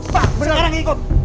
pak sekarang ikut